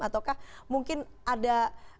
ataukah mungkin ada